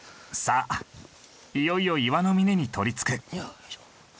いよいよ岩の峰に取りつく。